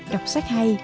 đọc sách hay